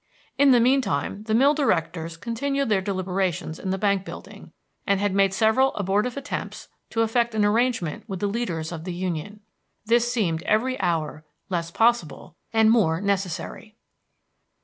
In the mean time the mill directors continued their deliberations in the bank building, and had made several abortive attempts to effect an arrangement with the leaders of the union. This seemed every hour less possible and more necessary.